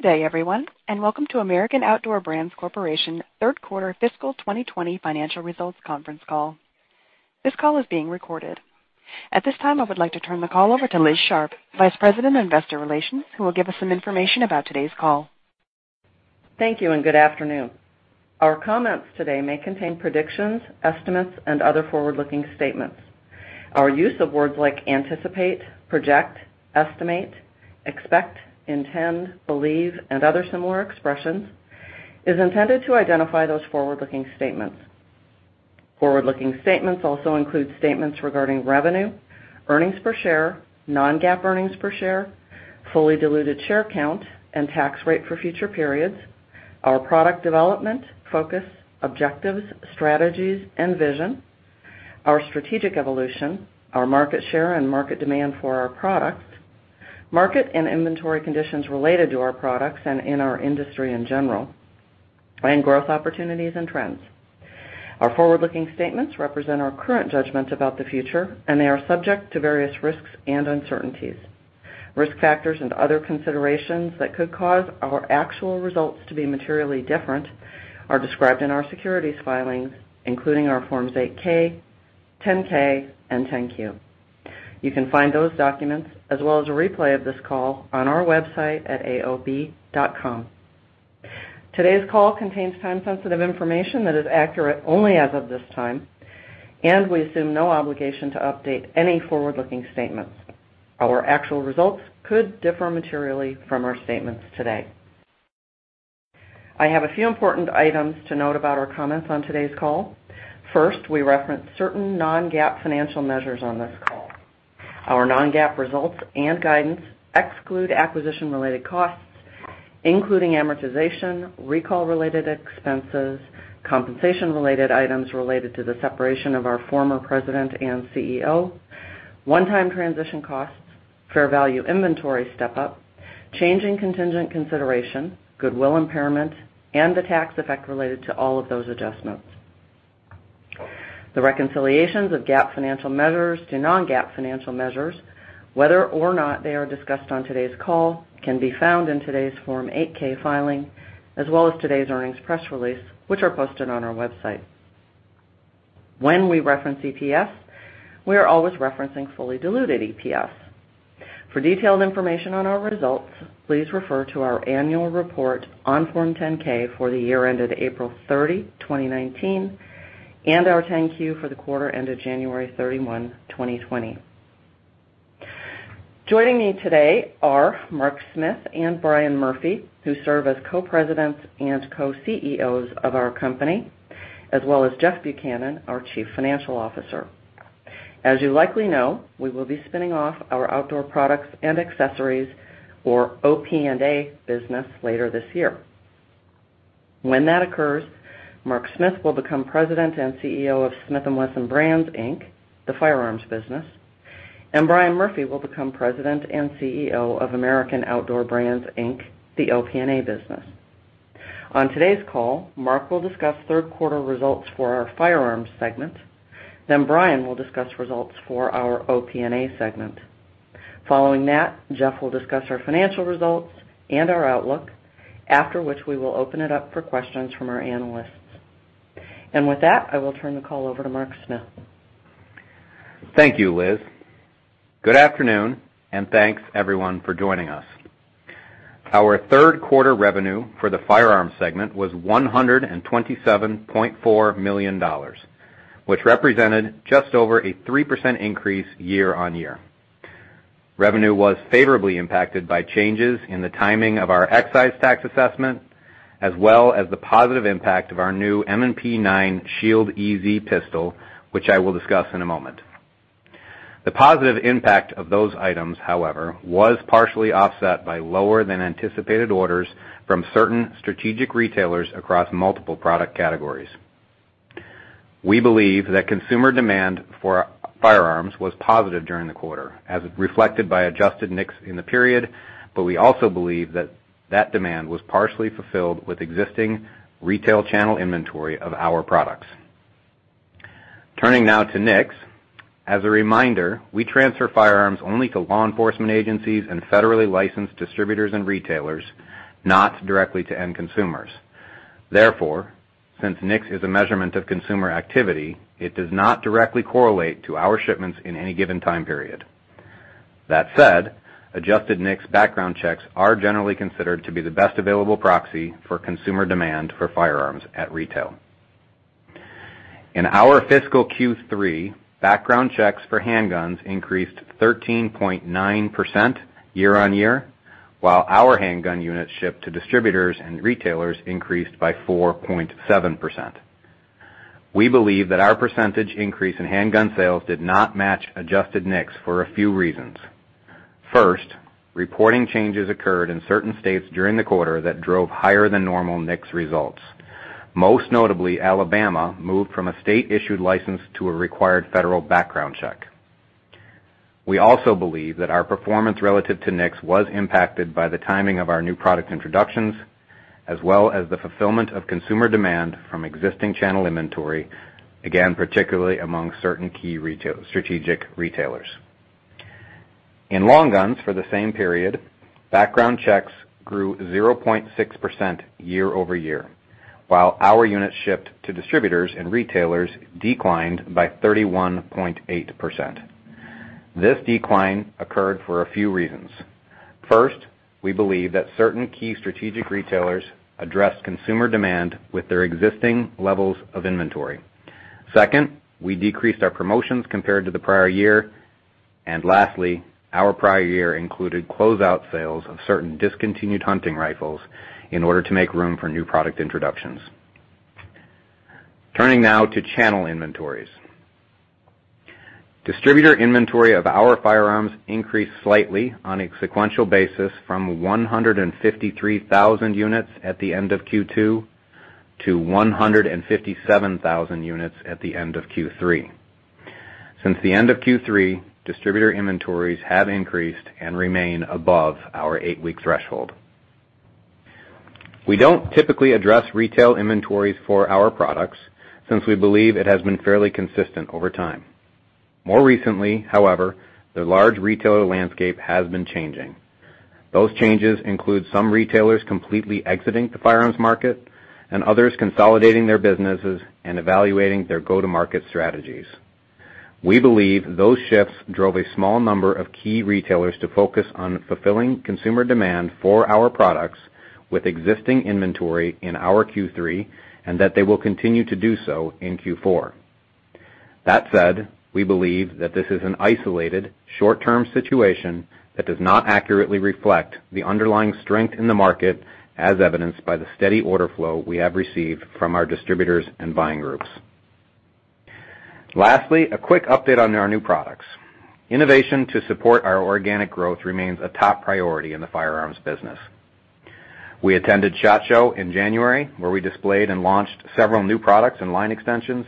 Good day, everyone, and welcome to American Outdoor Brands Corporation's third quarter fiscal 2020 financial results conference call. This call is being recorded. At this time, I would like to turn the call over to Liz Sharp, Vice President of Investor Relations, who will give us some information about today's call. Thank you and good afternoon. Our comments today may contain predictions, estimates, and other forward-looking statements. Our use of words like anticipate, project, estimate, expect, intend, believe, and other similar expressions is intended to identify those forward-looking statements. Forward-looking statements also include statements regarding revenue, earnings per share, non-GAAP earnings per share, fully diluted share count, and tax rate for future periods, our product development, focus, objectives, strategies, and vision, our strategic evolution, our market share and market demand for our products, market and inventory conditions related to our products and in our industry in general, and growth opportunities and trends. Our forward-looking statements represent our current judgments about the future, and they are subject to various risks and uncertainties. Risk factors and other considerations that could cause our actual results to be materially different are described in our securities filings, including our Forms 8-K, 10-K, and 10-Q. You can find those documents, as well as a replay of this call, on our website at aob.com. Today's call contains time-sensitive information that is accurate only as of this time, and we assume no obligation to update any forward-looking statements. Our actual results could differ materially from our statements today. I have a few important items to note about our comments on today's call. First, we reference certain non-GAAP financial measures on this call. Our non-GAAP results and guidance exclude acquisition-related costs, including amortization, recall-related expenses, compensation-related items related to the separation of our former president and CEO, one-time transition costs, fair value inventory step-up, changing contingent consideration, goodwill impairment, and the tax effect related to all of those adjustments. The reconciliations of GAAP financial measures to non-GAAP financial measures, whether or not they are discussed on today's call, can be found in today's Form 8-K filing, as well as today's earnings press release, which are posted on our website. When we reference EPS, we are always referencing fully diluted EPS. For detailed information on our results, please refer to our annual report on Form 10-K for the year ended April 30, 2019, and our Form 10-Q for the quarter ended January 31, 2020. Joining me today are Mark Smith and Brian Murphy, who serve as Co-Presidents and Co-CEOs of our company, as well as Jeff Buchanan, our Chief Financial Officer. As you likely know, we will be spinning off our outdoor products and accessories, or OP&A, business later this year. When that occurs, Mark Smith will become President and CEO of Smith & Wesson Brands, Inc., the firearms business, and Brian Murphy will become President and CEO of American Outdoor Brands, Inc., the OP&A business. On today's call, Mark will discuss third quarter results for our firearms segment. Then Brian will discuss results for our OP&A segment. Following that, Jeff will discuss our financial results and our outlook, after which we will open it up for questions from our analysts, and with that, I will turn the call over to Mark Smith. Thank you, Liz. Good afternoon, and thanks everyone for joining us. Our third quarter revenue for the firearms segment was $127.4 million, which represented just over a 3% increase year on year. Revenue was favorably impacted by changes in the timing of our excise tax assessment, as well as the positive impact of our new M&P 9 Shield EZ pistol, which I will discuss in a moment. The positive impact of those items, however, was partially offset by lower-than-anticipated orders from certain strategic retailers across multiple product categories. We believe that consumer demand for firearms was positive during the quarter, as reflected by Adjusted NICS in the period, but we also believe that that demand was partially fulfilled with existing retail channel inventory of our products. Turning now to NICS, as a reminder, we transfer firearms only to law enforcement agencies and federally licensed distributors and retailers, not directly to end consumers. Therefore, since NICS is a measurement of consumer activity, it does not directly correlate to our shipments in any given time period. That said, adjusted NICS background checks are generally considered to be the best available proxy for consumer demand for firearms at retail. In our fiscal Q3, background checks for handguns increased 13.9% year on year, while our handgun units shipped to distributors and retailers increased by 4.7%. We believe that our percentage increase in handgun sales did not match adjusted NICS for a few reasons. First, reporting changes occurred in certain states during the quarter that drove higher-than-normal NICS results. Most notably, Alabama moved from a state-issued license to a required federal background check. We also believe that our performance relative to NICS was impacted by the timing of our new product introductions, as well as the fulfillment of consumer demand from existing channel inventory, again, particularly among certain key strategic retailers. In long guns for the same period, background checks grew 0.6% year-over-year, while our units shipped to distributors and retailers declined by 31.8%. This decline occurred for a few reasons. First, we believe that certain key strategic retailers addressed consumer demand with their existing levels of inventory. Second, we decreased our promotions compared to the prior year. And lastly, our prior year included closeout sales of certain discontinued hunting rifles in order to make room for new product introductions. Turning now to channel inventories. Distributor inventory of our firearms increased slightly on a sequential basis from 153,000 units at the end of Q2 to 157,000 units at the end of Q3. Since the end of Q3, distributor inventories have increased and remain above our eight-week threshold. We don't typically address retail inventories for our products since we believe it has been fairly consistent over time. More recently, however, the large retailer landscape has been changing. Those changes include some retailers completely exiting the firearms market and others consolidating their businesses and evaluating their go-to-market strategies. We believe those shifts drove a small number of key retailers to focus on fulfilling consumer demand for our products with existing inventory in our Q3 and that they will continue to do so in Q4. That said, we believe that this is an isolated, short-term situation that does not accurately reflect the underlying strength in the market, as evidenced by the steady order flow we have received from our distributors and buying groups. Lastly, a quick update on our new products. Innovation to support our organic growth remains a top priority in the firearms business. We attended SHOT Show in January, where we displayed and launched several new products and line extensions.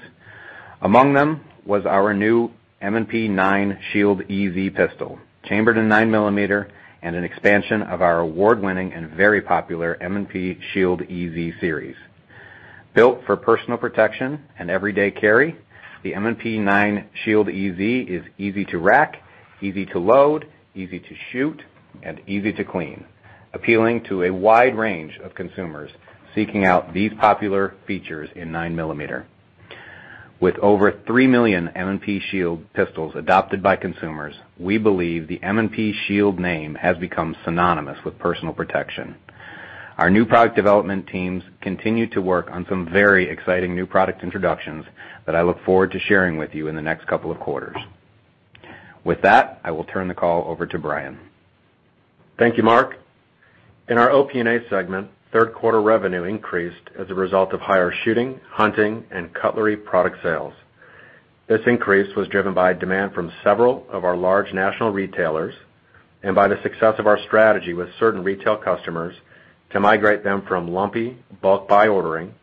Among them was our new M&P 9 Shield EZ pistol, chambered in 9 millimeter, and an expansion of our award-winning and very popular M&P Shield EZ series. Built for personal protection and everyday carry, the M&P 9 Shield EZ is easy to rack, easy to load, easy to shoot, and easy to clean, appealing to a wide range of consumers seeking out these popular features in 9 millimeter. With over three million M&P Shield pistols adopted by consumers, we believe the M&P Shield name has become synonymous with personal protection. Our new product development teams continue to work on some very exciting new product introductions that I look forward to sharing with you in the next couple of quarters. With that, I will turn the call over to Brian. Thank you, Mark. In our OP&A segment, third quarter revenue increased as a result of higher shooting, hunting, and cutlery product sales. This increase was driven by demand from several of our large national retailers and by the success of our strategy with certain retail customers to migrate them from lumpy, bulk-buy ordering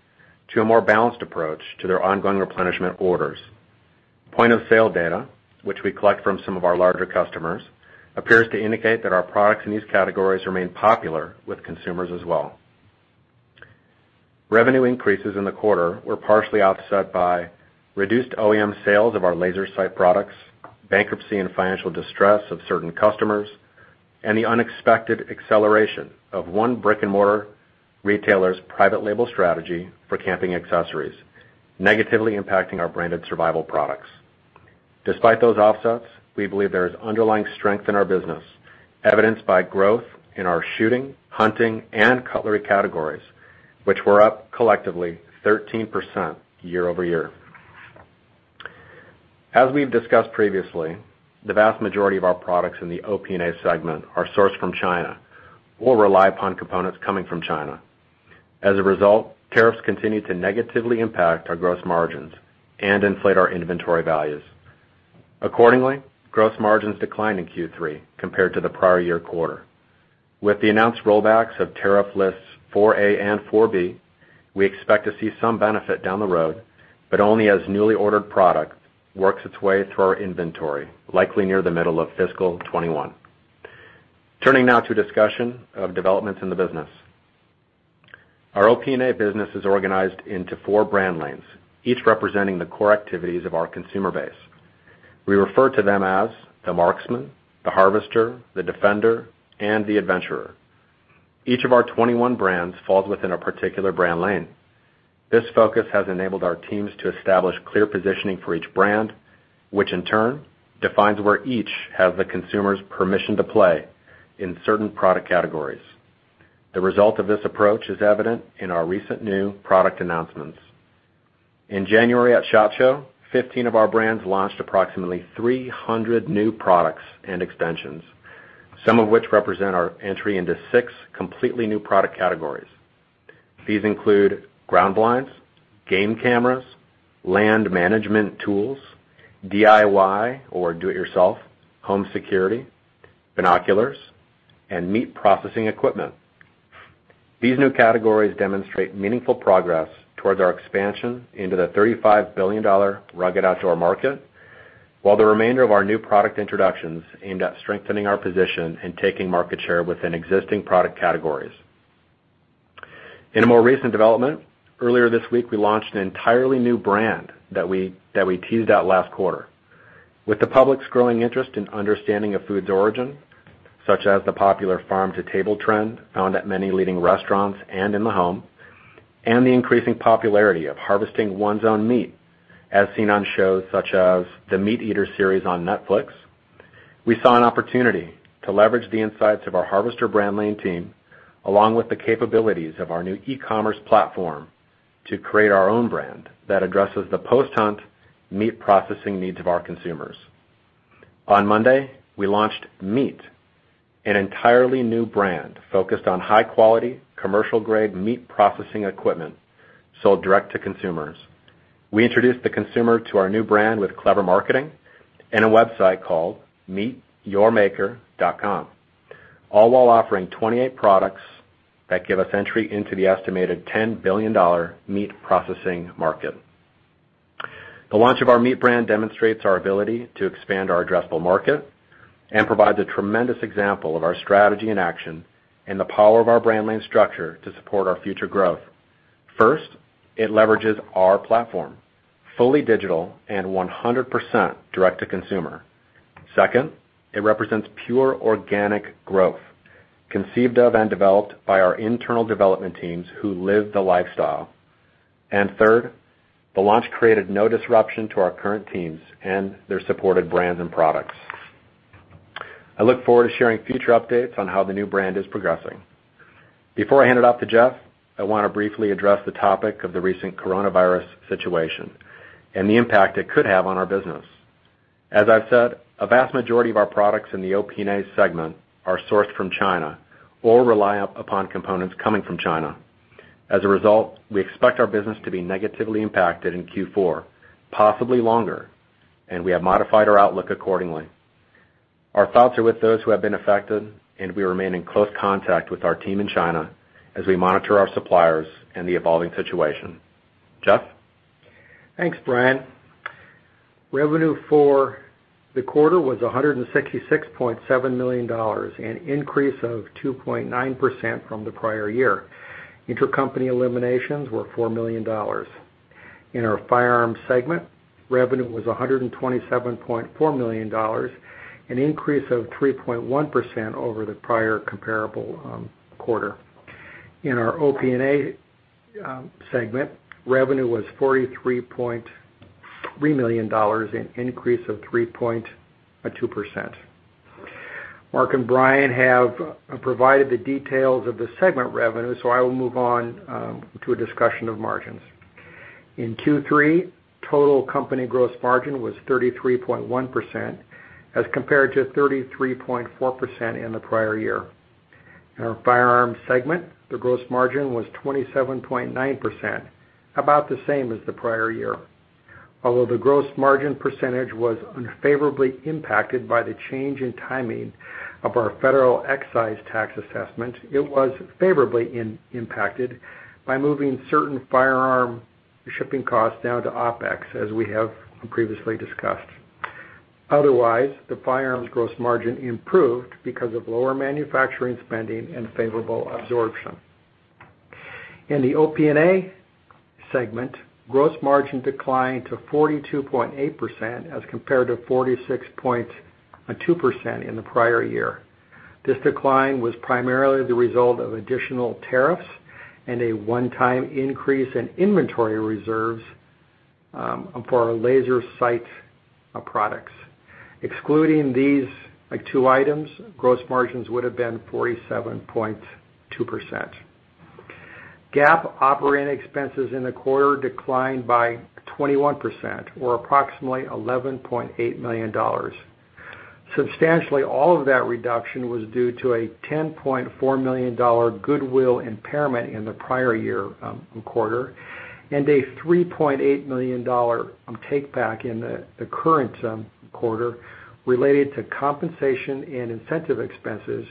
to a more balanced approach to their ongoing replenishment orders. Point-of-sale data, which we collect from some of our larger customers, appears to indicate that our products in these categories remain popular with consumers as well. Revenue increases in the quarter were partially offset by reduced OEM sales of our laser sight products, bankruptcy and financial distress of certain customers, and the unexpected acceleration of one brick-and-mortar retailer's private label strategy for camping accessories, negatively impacting our branded survival products. Despite those offsets, we believe there is underlying strength in our business, evidenced by growth in our shooting, hunting, and cutlery categories, which were up collectively 13% year-over-year. As we've discussed previously, the vast majority of our products in the OP&A segment are sourced from China or rely upon components coming from China. As a result, tariffs continue to negatively impact our gross margins and inflate our inventory values. Accordingly, gross margins declined in Q3 compared to the prior year quarter. With the announced rollbacks of tariff lists 4A and 4B, we expect to see some benefit down the road, but only as newly ordered product works its way through our inventory, likely near the middle of fiscal 2021. Turning now to discussion of developments in the business. Our OP&A business is organized into four brand lanes, each representing the core activities of our consumer base. We refer to them as the marksman, the harvester, the defender, and the adventurer. Each of our 21 brands falls within a particular brand lane. This focus has enabled our teams to establish clear positioning for each brand, which in turn defines where each has the consumer's permission to play in certain product categories. The result of this approach is evident in our recent new product announcements. In January at SHOT Show, 15 of our brands launched approximately 300 new products and extensions, some of which represent our entry into six completely new product categories. These include ground blinds, game cameras, land management tools, DIY or do-it-yourself, home security, binoculars, and MEAT! processing equipment. These new categories demonstrate meaningful progress towards our expansion into the $35 billion rugged outdoor market, while the remainder of our new product introductions aimed at strengthening our position and taking market share within existing product categories. In a more recent development, earlier this week, we launched an entirely new brand that we teased out last quarter. With the public's growing interest in understanding a food's origin, such as the popular farm-to-table trend found at many leading restaurants and in the home, and the increasing popularity of harvesting one's own meat, as seen on shows such as the MeatEater series on Netflix, we saw an opportunity to leverage the insights of our harvester brand lane team, along with the capabilities of our new e-commerce platform, to create our own brand that addresses the post-hunt meat processing needs of our consumers. On Monday, we launched Meat, an entirely new brand focused on high-quality, commercial-grade meat processing equipment sold direct to consumers. We introduced the consumer to our new brand with clever marketing and a website called meatyourmaker.com, all while offering 28 products that give us entry into the estimated $10 billion meat processing market. The launch of our Meat brand demonstrates our ability to expand our addressable market and provides a tremendous example of our strategy in action and the power of our brand lane structure to support our future growth. First, it leverages our platform, fully digital and 100% direct to consumer. Second, it represents pure organic growth, conceived of and developed by our internal development teams who live the lifestyle. And third, the launch created no disruption to our current teams and their supported brands and products. I look forward to sharing future updates on how the new brand is progressing. Before I hand it off to Jeff, I want to briefly address the topic of the recent coronavirus situation and the impact it could have on our business. As I've said, a vast majority of our products in the OP&A segment are sourced from China or rely upon components coming from China. As a result, we expect our business to be negatively impacted in Q4, possibly longer, and we have modified our outlook accordingly. Our thoughts are with those who have been affected, and we remain in close contact with our team in China as we monitor our suppliers and the evolving situation. Jeff? Thanks, Brian. Revenue for the quarter was $166.7 million and an increase of 2.9% from the prior year. Intercompany eliminations were $4 million. In our firearms segment, revenue was $127.4 million, an increase of 3.1% over the prior comparable quarter. In our OP&A segment, revenue was $43.3 million and an increase of 3.2%. Mark and Brian have provided the details of the segment revenue, so I will move on to a discussion of margins. In Q3, total company gross margin was 33.1% as compared to 33.4% in the prior year. In our firearms segment, the gross margin was 27.9%, about the same as the prior year. Although the gross margin percentage was unfavorably impacted by the change in timing of our Federal Excise Tax assessment, it was favorably impacted by moving certain firearm shipping costs down to OpEx, as we have previously discussed. Otherwise, the firearms gross margin improved because of lower manufacturing spending and favorable absorption. In the OP&A segment, gross margin declined to 42.8% as compared to 46.2% in the prior year. This decline was primarily the result of additional tariffs and a one-time increase in inventory reserves for our laser sight products. Excluding these two items, gross margins would have been 47.2%. GAAP operating expenses in the quarter declined by 21%, or approximately $11.8 million. Substantially, all of that reduction was due to a $10.4 million goodwill impairment in the prior year quarter and a $3.8 million take-back in the current quarter related to compensation and incentive expenses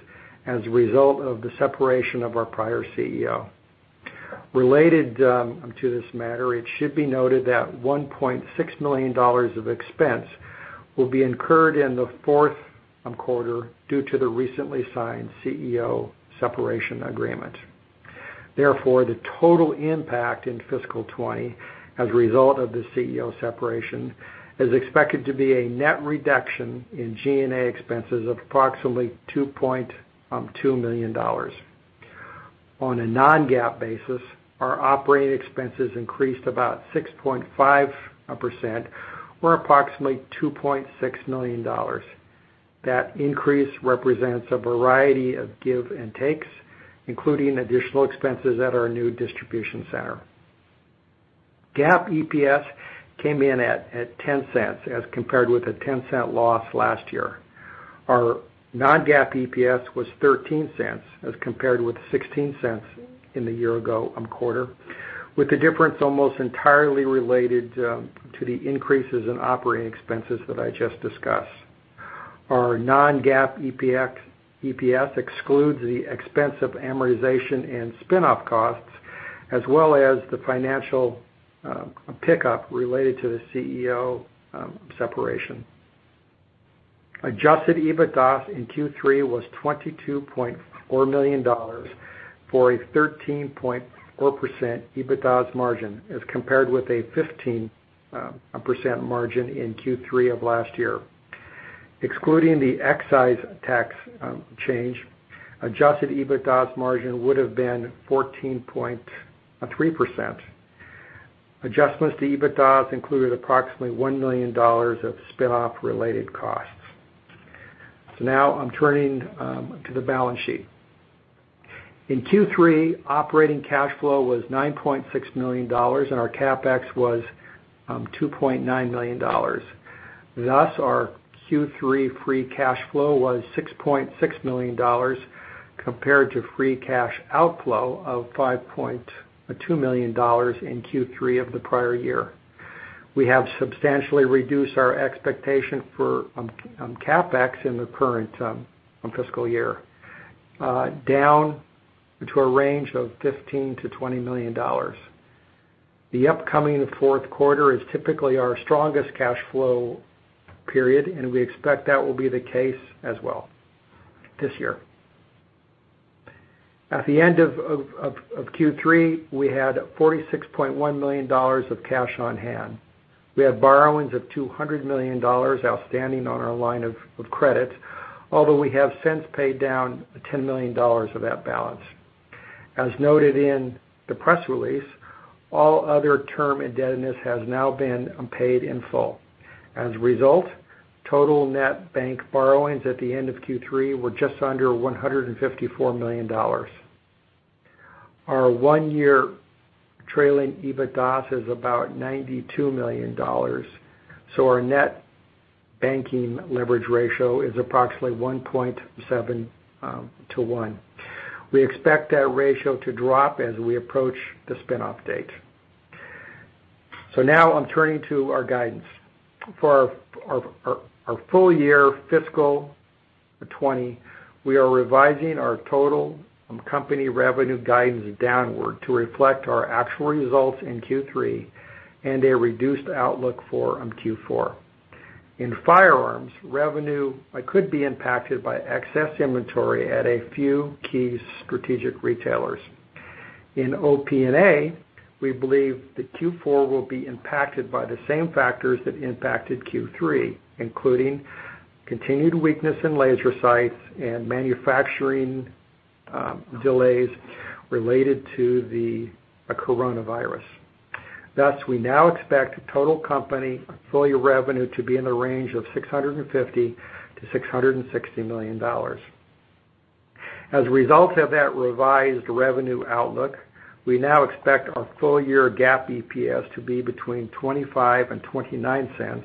as a result of the separation of our prior CEO. Related to this matter, it should be noted that $1.6 million of expense will be incurred in the fourth quarter due to the recently signed CEO separation agreement. Therefore, the total impact in fiscal 2020 as a result of the CEO separation is expected to be a net reduction in G&A expenses of approximately $2.2 million. On a non-GAAP basis, our operating expenses increased about 6.5%, or approximately $2.6 million. That increase represents a variety of give and takes, including additional expenses at our new distribution center. GAAP EPS came in at $0.10 as compared with a $0.10 loss last year. Our non-GAAP EPS was $0.13 as compared with $0.16 in the year ago quarter, with the difference almost entirely related to the increases in operating expenses that I just discussed. Our non-GAAP EPS excludes the expense of amortization and spinoff costs, as well as the financial pickup related to the CEO separation. Adjusted EBITDA in Q3 was $22.4 million for a 13.4% EBITDA margin as compared with a 15% margin in Q3 of last year. Excluding the excise tax change, adjusted EBITDA margin would have been 14.3%. Adjustments to EBITDA included approximately $1 million of spinoff-related costs. So now I'm turning to the balance sheet. In Q3, operating cash flow was $9.6 million, and our CAPEX was $2.9 million. Thus, our Q3 free cash flow was $6.6 million compared to free cash outflow of $5.2 million in Q3 of the prior year. We have substantially reduced our expectation for CAPEX in the current fiscal year, down to a range of $15 to $20 million. The upcoming fourth quarter is typically our strongest cash flow period, and we expect that will be the case as well this year. At the end of Q3, we had $46.1 million of cash on hand. We had borrowings of $200 million outstanding on our line of credit, although we have since paid down $10 million of that balance. As noted in the press release, all other term indebtedness has now been paid in full. As a result, total net bank borrowings at the end of Q3 were just under $154 million. Our one-year trailing EBITDA is about $92 million, so our net banking leverage ratio is approximately 1.7 to 1. We expect that ratio to drop as we approach the spinoff date. So now I'm turning to our guidance. For our full year fiscal 2020, we are revising our total company revenue guidance downward to reflect our actual results in Q3 and a reduced outlook for Q4. In firearms, revenue could be impacted by excess inventory at a few key strategic retailers. In OP&A, we believe that Q4 will be impacted by the same factors that impacted Q3, including continued weakness in laser sights and manufacturing delays related to the coronavirus. Thus, we now expect total company full-year revenue to be in the range of $650 to $660 million. As a result of that revised revenue outlook, we now expect our full-year GAAP EPS to be between $0.25-$0.29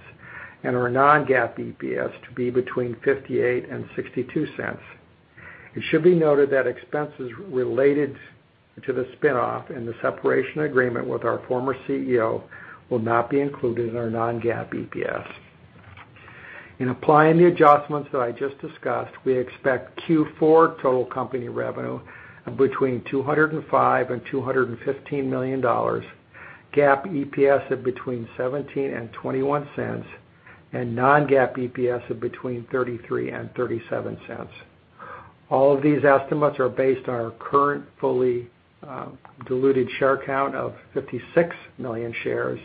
and our non-GAAP EPS to be between $0.58-$0.62. It should be noted that expenses related to the spinoff and the separation agreement with our former CEO will not be included in our non-GAAP EPS. In applying the adjustments that I just discussed, we expect Q4 total company revenue between $205 to $215 million, GAAP EPS of between $0.17-$0.21, and non-GAAP EPS of between $0.33-$0.37. All of these estimates are based on our current fully diluted share count of 56 million shares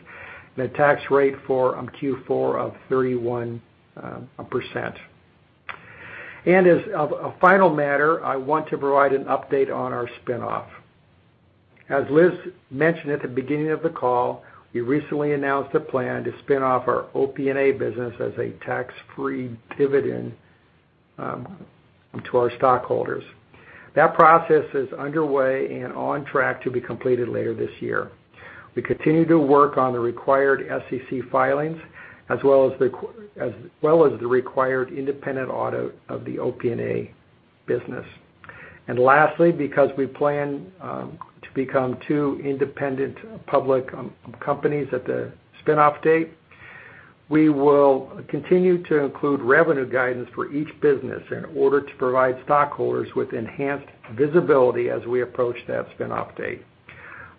and a tax rate for Q4 of 31%. And as a final matter, I want to provide an update on our spinoff. As Liz mentioned at the beginning of the call, we recently announced a plan to spinoff our OP&A business as a tax-free dividend to our stockholders. That process is underway and on track to be completed later this year. We continue to work on the required SEC filings as well as the required independent audit of the OP&A business. And lastly, because we plan to become two independent public companies at the spinoff date, we will continue to include revenue guidance for each business in order to provide stockholders with enhanced visibility as we approach that spinoff date.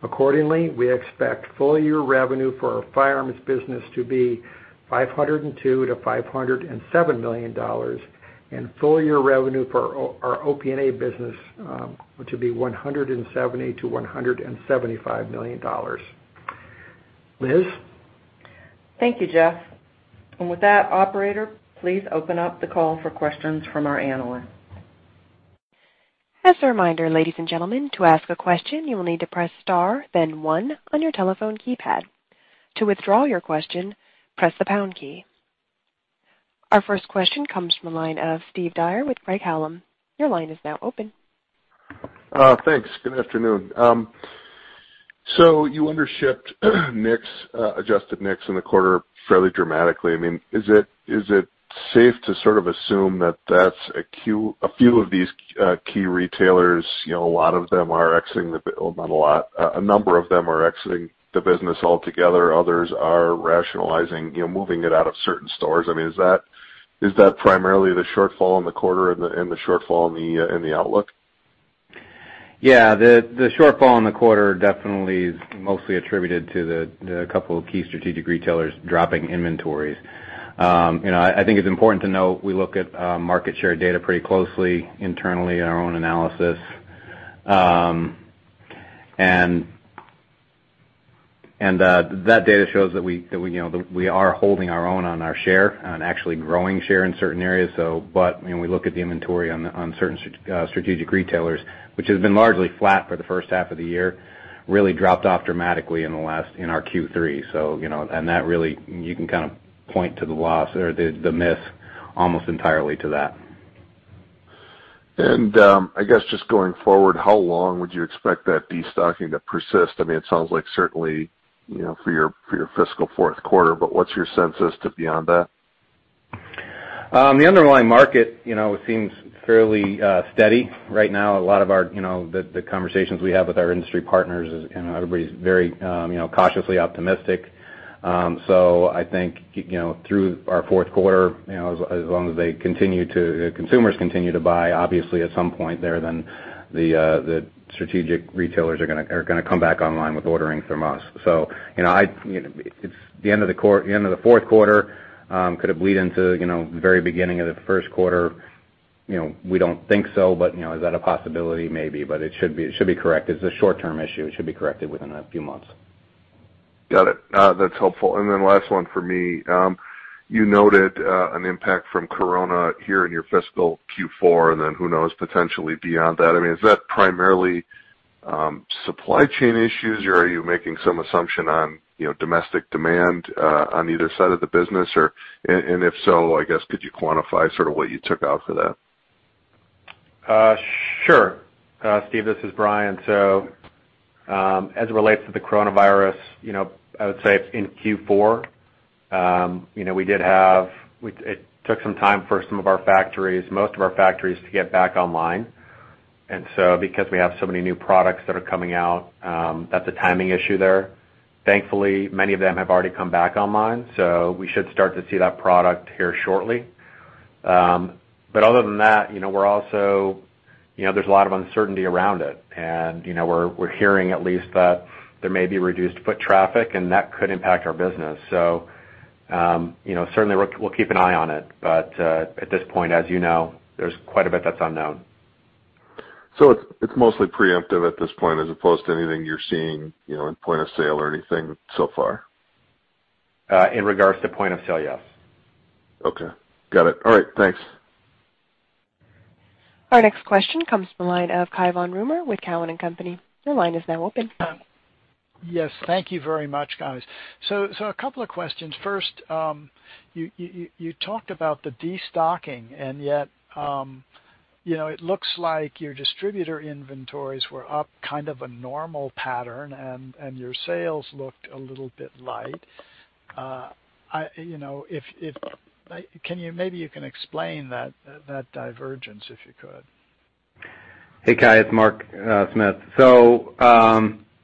Accordingly, we expect full-year revenue for our firearms business to be $502 to $507 million and full-year revenue for our OP&A business to be $170-$175 million. Liz? Thank you, Jeff. And with that, Operator, please open up the call for questions from our analysts. As a reminder, ladies and gentlemen, to ask a question, you will need to press star, then one on your telephone keypad. To withdraw your question, press the pound key. Our first question comes from the line of Steve Dyer with Craig-Hallum Capital Group. Your line is now open. Thanks. Good afternoon. So you undershipped Adjusted NICS in the quarter fairly dramatically. I mean, is it safe to sort of assume that that's a few of these key retailers, a lot of them are exiting the, well, not a lot. A number of them are exiting the business altogether. Others are rationalizing, moving it out of certain stores. I mean, is that primarily the shortfall in the quarter and the shortfall in the outlook? Yeah. The shortfall in the quarter definitely is mostly attributed to the couple of key strategic retailers dropping inventories. I think it's important to note we look at market share data pretty closely internally in our own analysis. And that data shows that we are holding our own on our share and actually growing share in certain areas. But when we look at the inventory on certain strategic retailers, which has been largely flat for the first half of the year, really dropped off dramatically in our Q3. And that really, you can kind of point to the loss or the miss almost entirely to that. I guess just going forward, how long would you expect that destocking to persist? I mean, it sounds like certainly for your fiscal fourth quarter, but what's your sense as to beyond that? The underlying market seems fairly steady right now. A lot of the conversations we have with our industry partners, everybody's very cautiously optimistic. So I think through our fourth quarter, as long as consumers continue to buy, obviously at some point there, then the strategic retailers are going to come back online with ordering from us. So it's the end of the fourth quarter. Could it bleed into the very beginning of the first quarter? We don't think so, but is that a possibility? Maybe. But it should be correct. It's a short-term issue. It should be corrected within a few months. Got it. That's helpful. And then last one for me. You noted an impact from corona here in your fiscal Q4, and then who knows potentially beyond that. I mean, is that primarily supply chain issues, or are you making some assumption on domestic demand on either side of the business? And if so, I guess could you quantify sort of what you took out for that? Sure. Steve, this is Brian. So as it relates to the coronavirus, I would say in Q4, we did have. It took some time for some of our factories, most of our factories, to get back online. And so because we have so many new products that are coming out, that's a timing issue there. Thankfully, many of them have already come back online, so we should start to see that product here shortly. But other than that, we're also. There's a lot of uncertainty around it. And we're hearing at least that there may be reduced foot traffic, and that could impact our business. So certainly, we'll keep an eye on it. But at this point, as you know, there's quite a bit that's unknown. So it's mostly preemptive at this point as opposed to anything you're seeing in point of sale or anything so far? In regards to point of sale, yes. Okay. Got it. All right. Thanks. Our next question comes from the line of Cai von Rumohr with Cowen & Company. Your line is now open. Yes. Thank you very much, guys. So a couple of questions. First, you talked about the destocking, and yet it looks like your distributor inventories were up kind of a normal pattern, and your sales looked a little bit light. Can you, maybe you can explain that divergence if you could? Hey, Cai. It's Mark Smith. So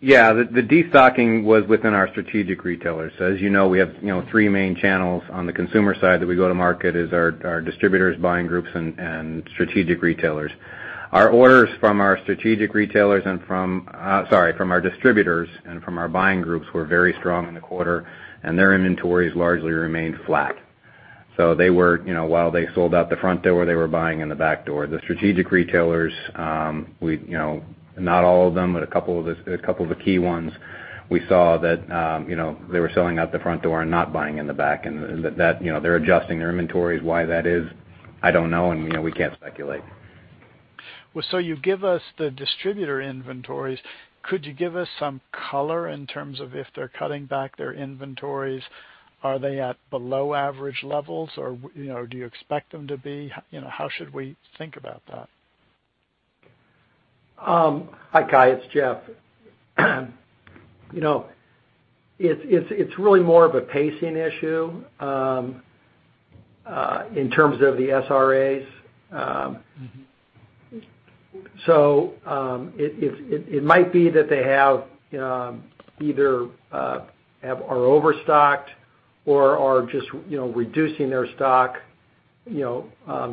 yeah, the destocking was within our strategic retailers. So as you know, we have three main channels on the consumer side that we go to market: our distributors, buying groups, and strategic retailers. Our orders from our strategic retailers and from—sorry, from our distributors and from our buying groups were very strong in the quarter, and their inventories largely remained flat. So while they sold out the front door, they were buying in the back door. The strategic retailers, not all of them, but a couple of the key ones, we saw that they were selling out the front door and not buying in the back. And they're adjusting their inventories. Why that is, I don't know, and we can't speculate. You give us the distributor inventories. Could you give us some color in terms of if they're cutting back their inventories? Are they at below average levels, or do you expect them to be? How should we think about that? Hi, Cai. It's Jeff. It's really more of a pacing issue in terms of the SRAs. So it might be that they either are overstocked or are just reducing their stock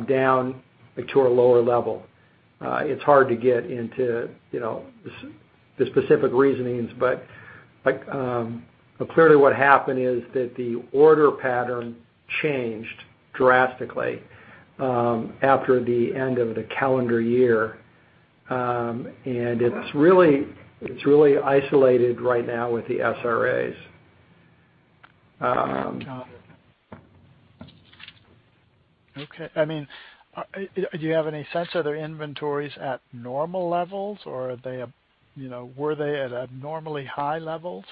down to a lower level. It's hard to get into the specific reasonings, but clearly what happened is that the order pattern changed drastically after the end of the calendar year. And it's really isolated right now with the SRAs. Okay. I mean, do you have any sense? Are their inventories at normal levels, or were they at abnormally high levels?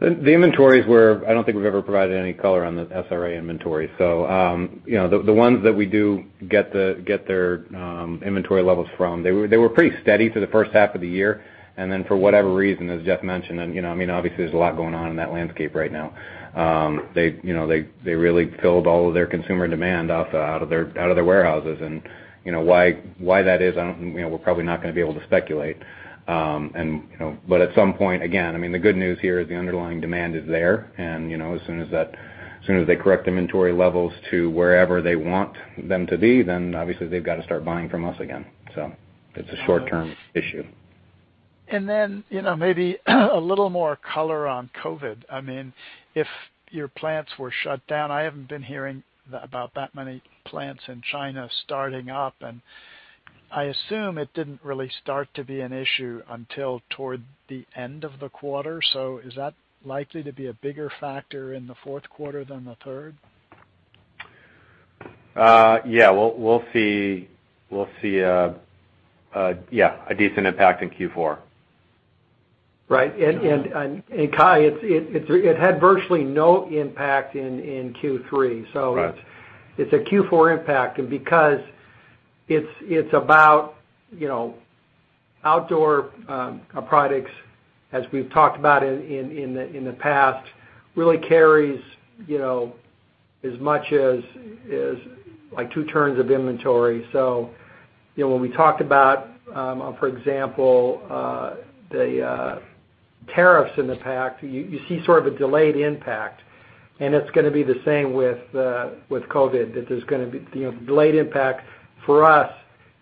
The inventories were. I don't think we've ever provided any color on the SRA inventory. So the ones that we do get their inventory levels from, they were pretty steady for the first half of the year. And then for whatever reason, as Jeff mentioned, I mean, obviously there's a lot going on in that landscape right now. They really filled all of their consumer demand out of their warehouses. And why that is, we're probably not going to be able to speculate. But at some point, again, I mean, the good news here is the underlying demand is there. And as soon as they correct inventory levels to wherever they want them to be, then obviously they've got to start buying from us again. So it's a short-term issue. And then maybe a little more color on COVID. I mean, if your plants were shut down, I haven't been hearing about that many plants in China starting up. And I assume it didn't really start to be an issue until toward the end of the quarter. So is that likely to be a bigger factor in the fourth quarter than the third? Yeah. We'll see, yeah, a decent impact in Q4. Right. And Cai, it had virtually no impact in Q3. So it's a Q4 impact. And because it's about outdoor products, as we've talked about in the past, really carries as much as two turns of inventory. So when we talked about, for example, the tariffs in the past, you see sort of a delayed impact. And it's going to be the same with COVID, that there's going to be delayed impact for us,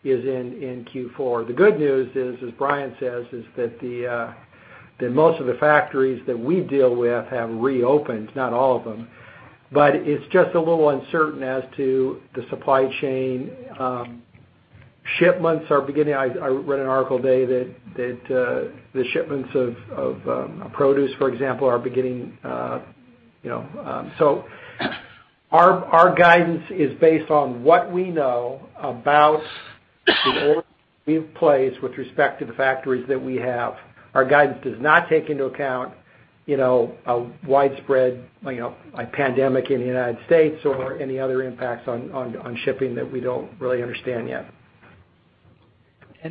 is in Q4. The good news, as Brian says, is that most of the factories that we deal with have reopened, not all of them. But it's just a little uncertain as to the supply chain. Shipments are beginning. I read an article today that the shipments of produce, for example, are beginning. So our guidance is based on what we know about the order we've placed with respect to the factories that we have. Our guidance does not take into account a widespread pandemic in the United States or any other impacts on shipping that we don't really understand yet.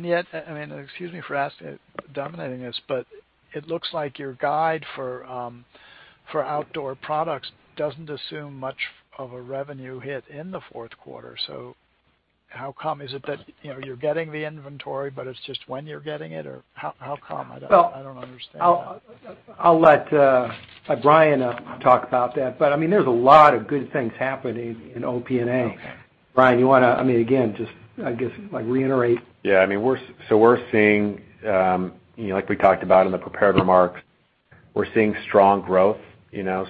Yet, I mean, excuse me for dominating this, but it looks like your guide for outdoor products doesn't assume much of a revenue hit in the fourth quarter. How come? Is it that you're getting the inventory, but it's just when you're getting it? Or how come, I don't understand that. Well, I'll let Brian talk about that. But I mean, there's a lot of good things happening in OP&A. Brian, you want to—I mean, again, just I guess reiterate. Yeah. I mean, so we're seeing, like we talked about in the prepared remarks, we're seeing strong growth.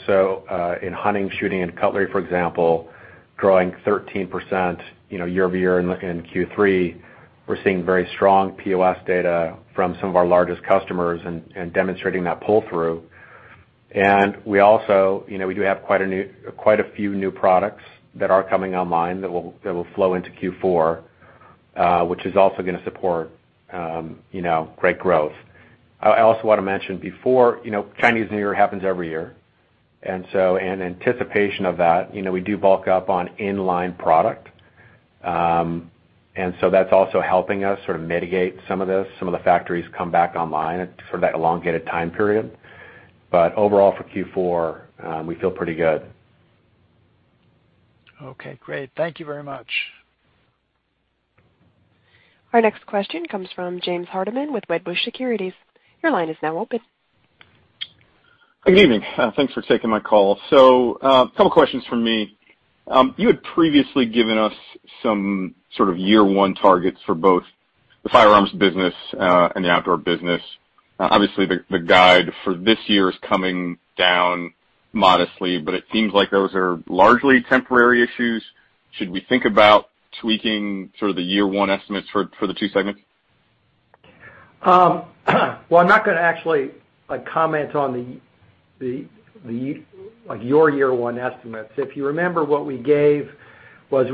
So in hunting, shooting, and cutlery, for example, growing 13% year-over-year in Q3, we're seeing very strong POS data from some of our largest customers and demonstrating that pull-through. And we also we do have quite a few new products that are coming online that will flow into Q4, which is also going to support great growth. I also want to mention before Chinese New Year happens every year. And so in anticipation of that, we do bulk up on inline product. And so that's also helping us sort of mitigate some of this, some of the factories come back online for that elongated time period. But overall, for Q4, we feel pretty good. Okay. Great. Thank you very much. Our next question comes from James Hardiman with Wedbush Securities. Your line is now open. Good evening. Thanks for taking my call. So a couple of questions from me. You had previously given us some sort of year-one targets for both the firearms business and the outdoor business. Obviously, the guide for this year is coming down modestly, but it seems like those are largely temporary issues. Should we think about tweaking sort of the year-one estimates for the two segments? I'm not going to actually comment on your year-one estimates. If you remember, what we gave was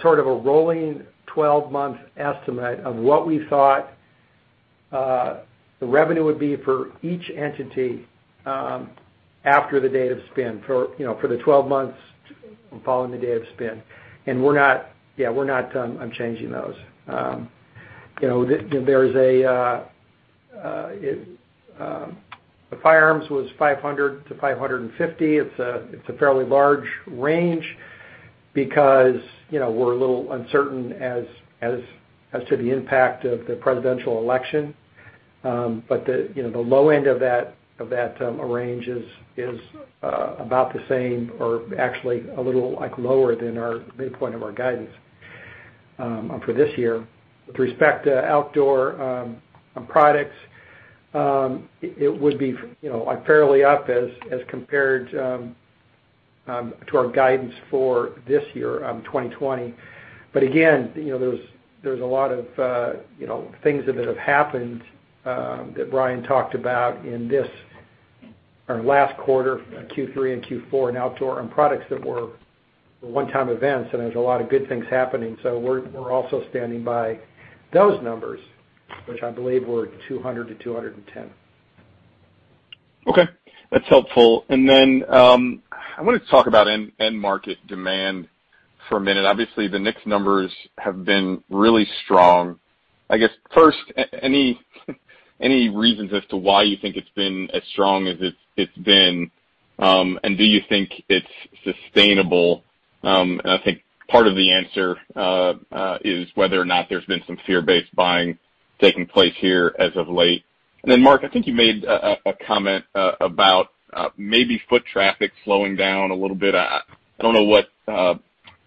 sort of a rolling 12-month estimate of what we thought the revenue would be for each entity after the date of spin for the 12 months following the date of spin. Yeah, I'm changing those. The firearms was $500-$550. It's a fairly large range because we're a little uncertain as to the impact of the presidential election. The low end of that range is about the same or actually a little lower than our midpoint of our guidance for this year. With respect to outdoor products, it would be fairly up as compared to our guidance for this year, 2020. But again, there's a lot of things that have happened that Brian talked about in this last quarter, Q3 and Q4, in outdoor and products that were one-time events. And there's a lot of good things happening. So we're also standing by those numbers, which I believe were 200 to 210. Okay. That's helpful. And then I want to talk about end-market demand for a minute. Obviously, the NICS numbers have been really strong. I guess first, any reasons as to why you think it's been as strong as it's been? And do you think it's sustainable? And I think part of the answer is whether or not there's been some fear-based buying taking place here as of late. And then Mark, I think you made a comment about maybe foot traffic slowing down a little bit. I don't know what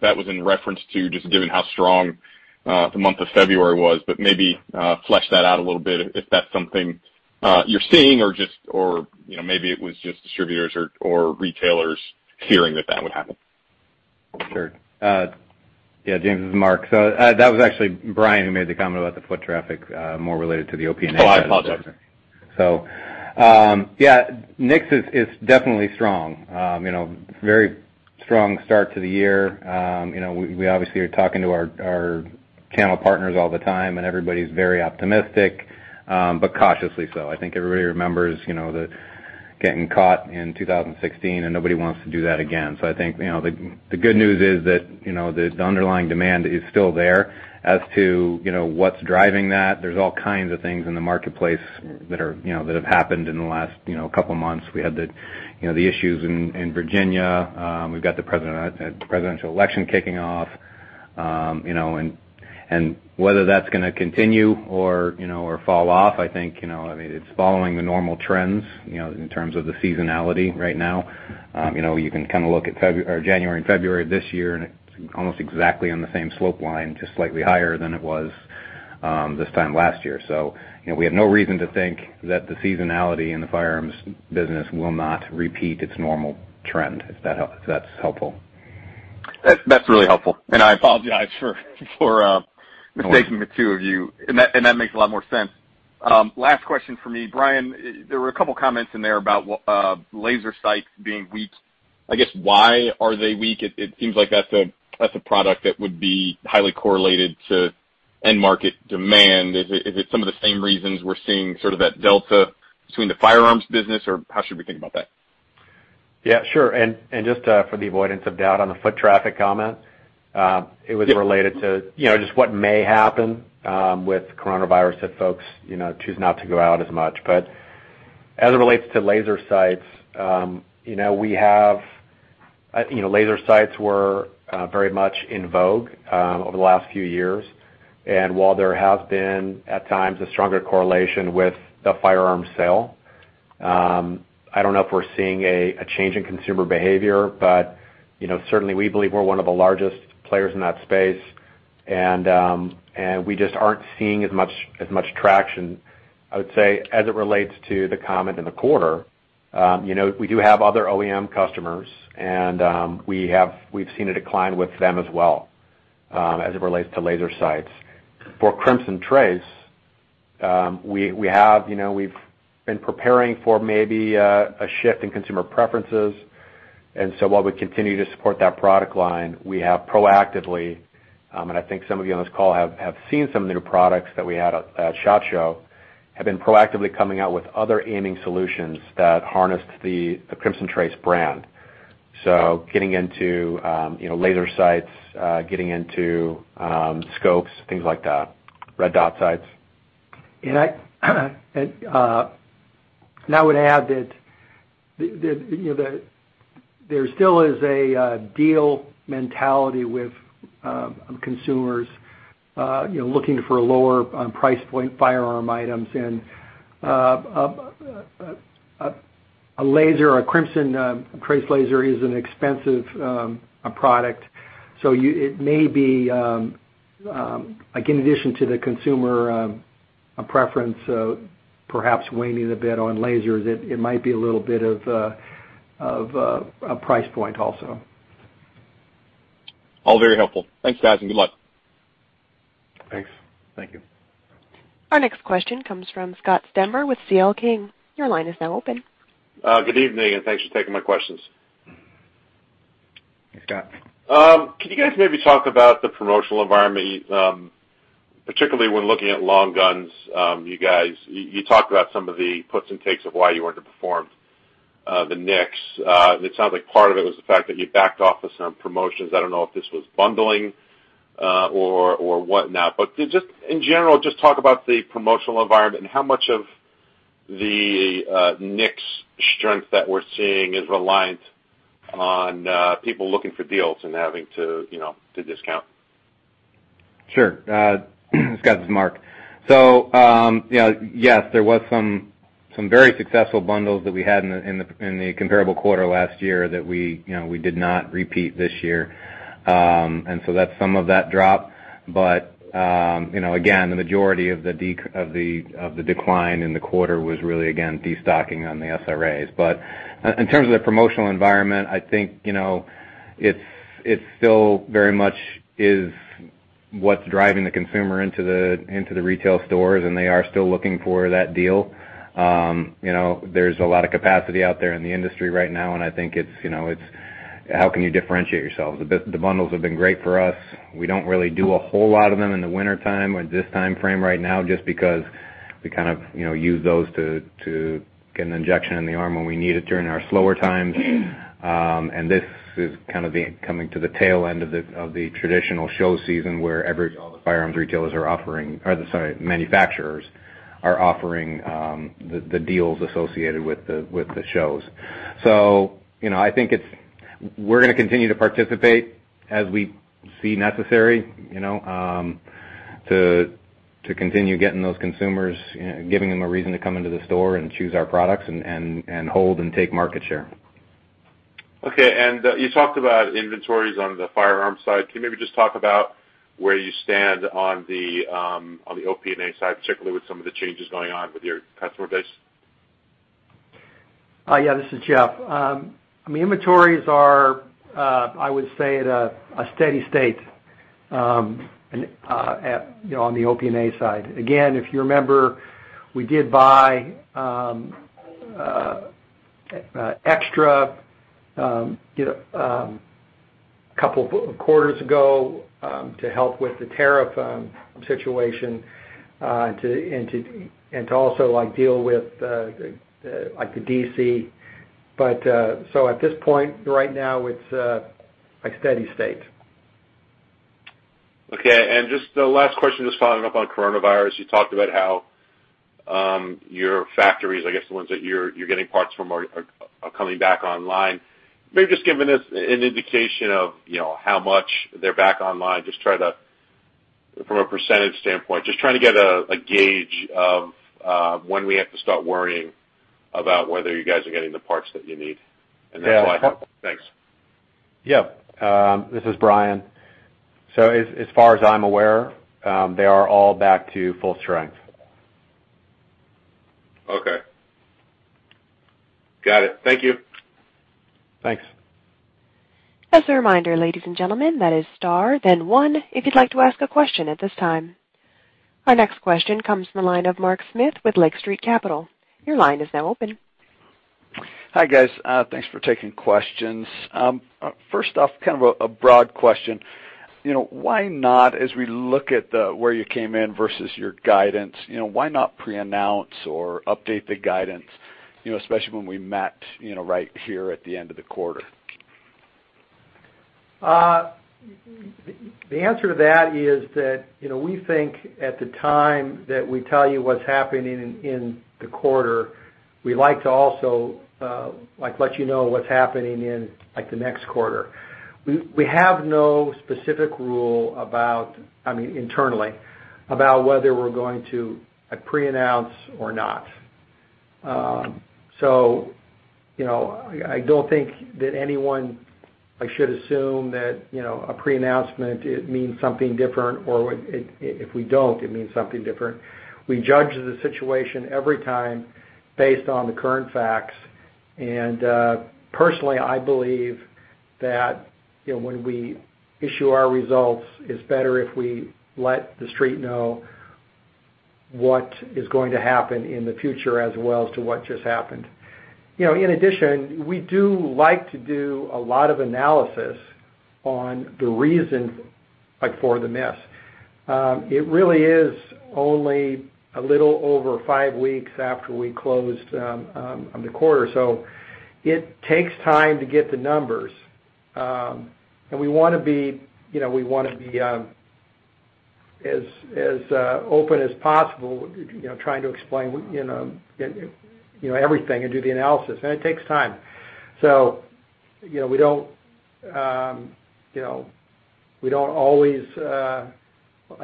that was in reference to, just given how strong the month of February was, but maybe flesh that out a little bit if that's something you're seeing, or maybe it was just distributors or retailers fearing that that would happen. Sure. Yeah, James, it's Mark. So that was actually Brian who made the comment about the foot traffic more related to the OP&A. Oh, I apologize. So yeah, NICS is definitely strong. Very strong start to the year. We obviously are talking to our channel partners all the time, and everybody's very optimistic, but cautiously so. I think everybody remembers getting caught in 2016, and nobody wants to do that again. So I think the good news is that the underlying demand is still there. As to what's driving that, there's all kinds of things in the marketplace that have happened in the last couple of months. We had the issues in Virginia. We've got the presidential election kicking off. And whether that's going to continue or fall off, I think, I mean, it's following the normal trends in terms of the seasonality right now. You can kind of look at January and February of this year, and it's almost exactly on the same slope line, just slightly higher than it was this time last year. So we have no reason to think that the seasonality in the firearms business will not repeat its normal trend, if that's helpful. That's really helpful. And I apologize for mistaking the two of you. And that makes a lot more sense. Last question for me. Brian, there were a couple of comments in there about laser sights being weak. I guess why are they weak? It seems like that's a product that would be highly correlated to end-market demand. Is it some of the same reasons we're seeing sort of that delta between the firearms business, or how should we think about that? Yeah. Sure. And just for the avoidance of doubt on the foot traffic comment, it was related to just what may happen with coronavirus if folks choose not to go out as much. But as it relates to laser sights, we have. Laser sights were very much in vogue over the last few years. And while there has been at times a stronger correlation with the firearm sale, I don't know if we're seeing a change in consumer behavior. But certainly, we believe we're one of the largest players in that space. And we just aren't seeing as much traction, I would say, as it relates to the comment in the quarter. We do have other OEM customers, and we've seen a decline with them as well as it relates to laser sights. For Crimson Trace, we have been preparing for maybe a shift in consumer preferences. And so while we continue to support that product line, we have proactively, and I think some of you on this call have seen some of the new products that we had at SHOT Show, have been proactively coming out with other aiming solutions that harness the Crimson Trace brand. So getting into laser sights, getting into scopes, things like that, red dot sights. And I would add that there still is a deal mentality with consumers looking for a lower price point firearm items. And a laser, a Crimson Trace laser, is an expensive product. So it may be, in addition to the consumer preference, perhaps waning a bit on lasers, it might be a little bit of a price point also. All very helpful. Thanks, guys, and good luck. Thanks. Thank you. Our next question comes from Scott Stember with CL King. Your line is now open. Good evening, and thanks for taking my questions. Thanks, Scott. Could you guys maybe talk about the promotional environment, particularly when looking at long guns? You talked about some of the puts and takes of why you weren't able to perform to the NICS, and it sounds like part of it was the fact that you backed off of some promotions. I don't know if this was bundling or whatnot, but just in general, just talk about the promotional environment and how much of the NICS strength that we're seeing is reliant on people looking for deals and having to discount? Sure. Scott, Mark. So yes, there were some very successful bundles that we had in the comparable quarter last year that we did not repeat this year. And so that's some of that drop. But again, the majority of the decline in the quarter was really, again, destocking on the SRAs. But in terms of the promotional environment, I think it still very much is what's driving the consumer into the retail stores, and they are still looking for that deal. There's a lot of capacity out there in the industry right now. And I think it's how can you differentiate yourselves? The bundles have been great for us. We don't really do a whole lot of them in the wintertime or this time frame right now just because we kind of use those to get an injection in the arm when we need it during our slower times. This is kind of coming to the tail end of the traditional show season where all the firearms retailers are offering, sorry, manufacturers are offering the deals associated with the shows. So I think we're going to continue to participate as we see necessary to continue getting those consumers, giving them a reason to come into the store and choose our products and hold and take market share. Okay. And you talked about inventories on the firearm side. Can you maybe just talk about where you stand on the OP&A side, particularly with some of the changes going on with your customer base? Yeah. This is Jeff. I mean, inventories are, I would say, at a steady state on the OP&A side. Again, if you remember, we did buy extra a couple of quarters ago to help with the tariff situation and to also deal with the DC. But so at this point right now, it's a steady state. Okay. And just the last question, just following up on coronavirus. You talked about how your factories, I guess the ones that you're getting parts from, are coming back online. Maybe just giving us an indication of how much they're back online, just trying to, from a percentage standpoint, just trying to get a gauge of when we have to start worrying about whether you guys are getting the parts that you need? And that's why I thought. Yeah. Thanks. Yeah. This is Brian, so as far as I'm aware, they are all back to full strength. Okay. Got it. Thank you. Thanks. As a reminder, ladies and gentlemen, that is star, then one, if you'd like to ask a question at this time. Our next question comes from the line of Mark Smith with Lake Street Capital. Your line is now open. Hi guys. Thanks for taking questions. First off, kind of a broad question. Why not, as we look at where you came in versus your guidance, why not pre-announce or update the guidance, especially when we met right here at the end of the quarter? The answer to that is that we think at the time that we tell you what's happening in the quarter, we like to also let you know what's happening in the next quarter. We have no specific rule about, I mean, internally, about whether we're going to pre-announce or not. So I don't think that anyone should assume that a pre-announcement means something different, or if we don't, it means something different. We judge the situation every time based on the current facts. And personally, I believe that when we issue our results, it's better if we let the street know what is going to happen in the future as well as to what just happened. In addition, we do like to do a lot of analysis on the reasons for the miss. It really is only a little over five weeks after we closed the quarter. So it takes time to get the numbers. And we want to be we want to be as open as possible trying to explain everything and do the analysis. And it takes time. So we don't always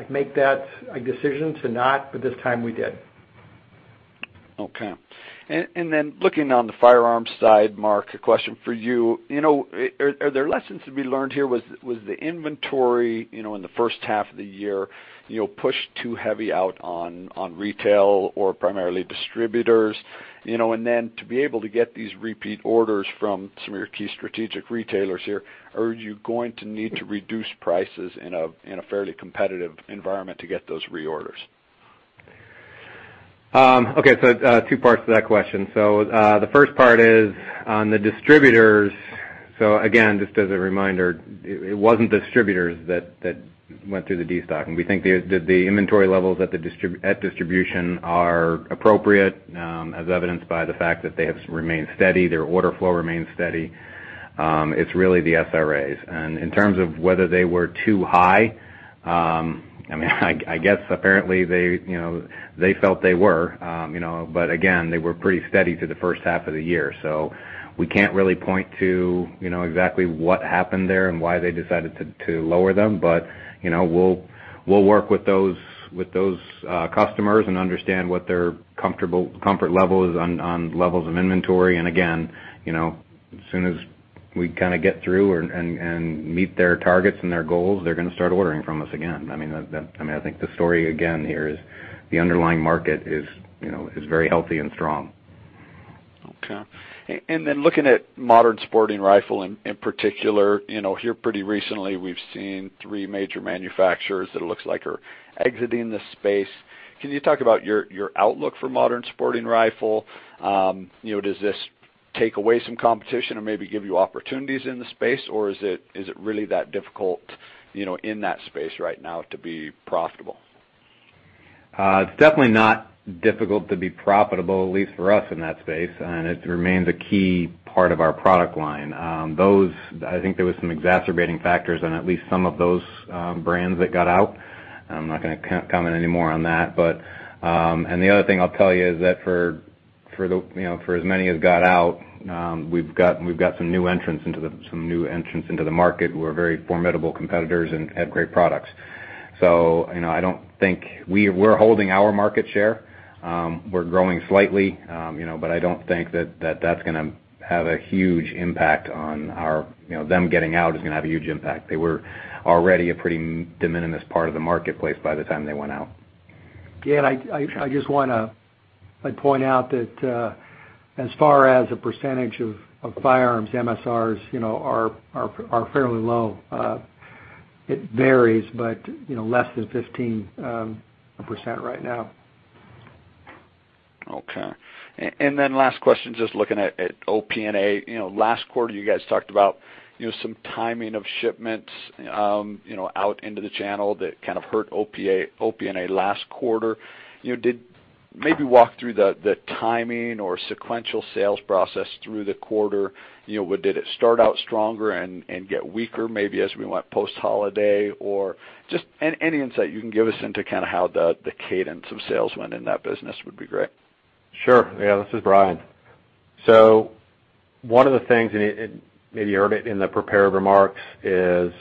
make that decision to not, but this time we did. Okay. And then looking on the firearm side, Mark, a question for you. Are there lessons to be learned here? Was the inventory in the first half of the year pushed too heavy out on retail or primarily distributors? And then to be able to get these repeat orders from some of your key strategic retailers here, are you going to need to reduce prices in a fairly competitive environment to get those reorders? Okay. So two parts to that question. So the first part is on the distributors. So again, just as a reminder, it wasn't distributors that went through the destocking. We think that the inventory levels at distribution are appropriate, as evidenced by the fact that they have remained steady. Their order flow remains steady. It's really the SRAs. And in terms of whether they were too high, I mean, I guess apparently they felt they were. But again, they were pretty steady through the first half of the year. So we can't really point to exactly what happened there and why they decided to lower them. But we'll work with those customers and understand what their comfort level is on levels of inventory. And again, as soon as we kind of get through and meet their targets and their goals, they're going to start ordering from us again. I mean, I think the story again here is the underlying market is very healthy and strong. Okay. And then looking at modern sporting rifle in particular, here pretty recently, we've seen three major manufacturers that it looks like are exiting the space. Can you talk about your outlook for modern sporting rifle? Does this take away some competition or maybe give you opportunities in the space, or is it really that difficult in that space right now to be profitable? It's definitely not difficult to be profitable, at least for us in that space. And it remains a key part of our product line. I think there were some exacerbating factors on at least some of those brands that got out. I'm not going to comment anymore on that. And the other thing I'll tell you is that for as many as got out, we've got some new entrants into the market who are very formidable competitors and have great products. So I don't think we're holding our market share. We're growing slightly, but I don't think that that's going to have a huge impact on our, them getting out is going to have a huge impact. They were already a pretty de minimis part of the marketplace by the time they went out. Yeah. And I just want to point out that as far as the percentage of firearms, MSRs are fairly low. It varies, but less than 15% right now. Okay. And then last question, just looking at OP&A, last quarter, you guys talked about some timing of shipments out into the channel that kind of hurt OP&A last quarter. Maybe walk through the timing or sequential sales process through the quarter. Did it start out stronger and get weaker maybe as we went post-holiday? Or just any insight you can give us into kind of how the cadence of sales went in that business would be great. Sure. Yeah. This is Brian. So one of the things, and maybe you heard it in the prepared remarks, is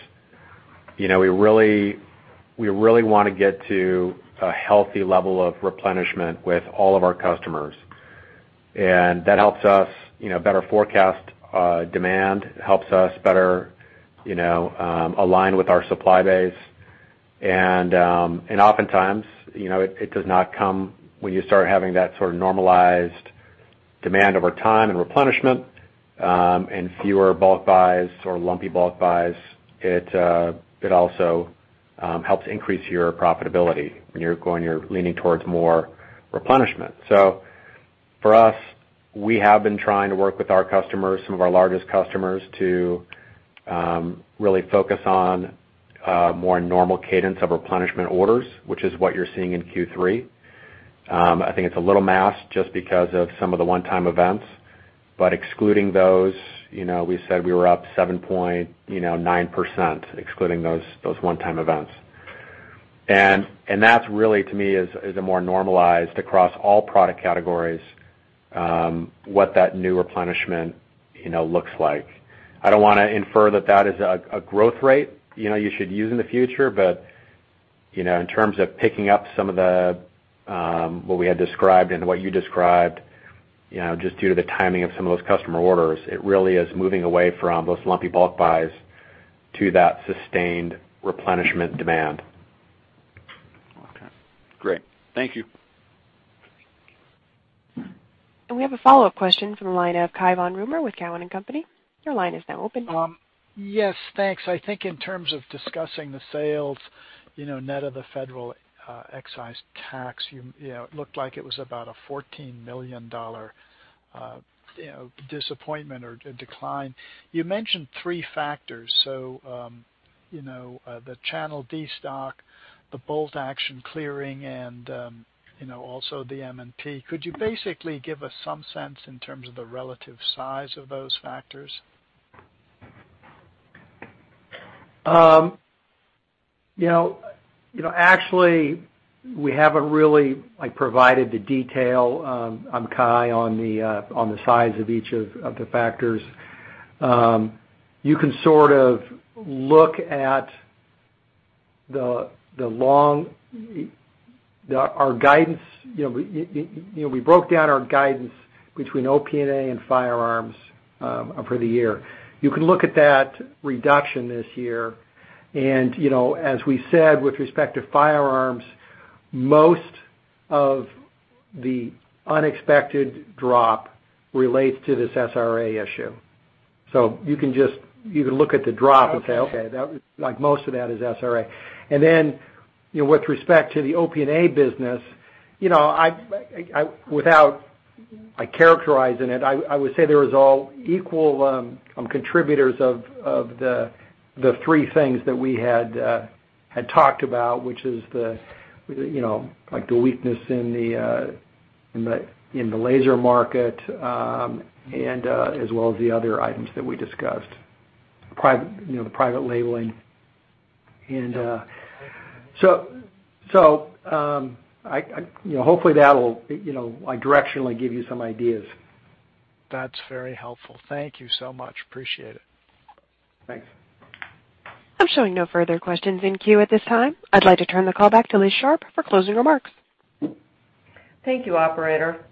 we really want to get to a healthy level of replenishment with all of our customers. And that helps us better forecast demand, helps us better align with our supply base. And oftentimes, it does not come when you start having that sort of normalized demand over time and replenishment and fewer bulk buys or lumpy bulk buys. It also helps increase your profitability when you're leaning towards more replenishment. So for us, we have been trying to work with our customers, some of our largest customers, to really focus on a more normal cadence of replenishment orders, which is what you're seeing in Q3. I think it's a little masked just because of some of the one-time events. But excluding those, we said we were up 7.9% excluding those one-time events. And that's really, to me, is a more normalized across all product categories what that new replenishment looks like. I don't want to infer that that is a growth rate you should use in the future. But in terms of picking up some of what we had described and what you described, just due to the timing of some of those customer orders, it really is moving away from those lumpy bulk buys to that sustained replenishment demand. Okay. Great. Thank you. We have a follow-up question from the line of Cai von Rumohr with Cowen & Company. Your line is now open. Yes. Thanks. I think in terms of discussing the sales, net of the federal excise tax, it looked like it was about a $14 million disappointment or decline. You mentioned three factors, so the channel destock, the bolt action clearing, and also the M&P. Could you basically give us some sense in terms of the relative size of those factors? Actually, we haven't really provided the detail. I mean on the size of each of the factors. You can sort of look at our guidance. We broke down our guidance between OP&A and firearms for the year. You can look at that reduction this year. And as we said, with respect to firearms, most of the unexpected drop relates to this SRA issue. So you can look at the drop and say, "Okay. Most of that is SRA." And then with respect to the OP&A business, without characterizing it, I would say there were all equal contributors of the three things that we had talked about, which is the weakness in the laser market as well as the other items that we discussed, the private labeling. And so hopefully that'll directionally give you some ideas. That's very helpful. Thank you so much. Appreciate it. Thanks. I'm showing no further questions in queue at this time. I'd like to turn the call back to Liz Sharp for closing remarks. Thank you, Operator.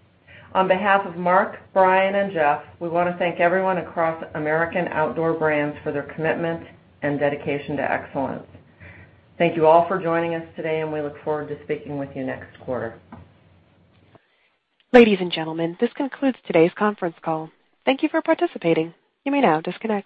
On behalf of Mark, Brian, and Jeff, we want to thank everyone across American Outdoor Brands for their commitment and dedication to excellence. Thank you all for joining us today, and we look forward to speaking with you next quarter. Ladies and gentlemen, this concludes today's conference call. Thank you for participating. You may now disconnect.